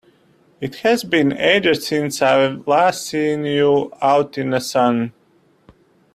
It has been ages since I've last seen you out in the sun!